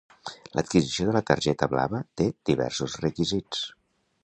L'adquisició de la targeta blava té diversos requisits.